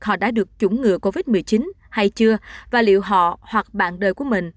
họ đã được chủng ngừa covid một mươi chín hay chưa và liệu họ hoặc bạn đời của mình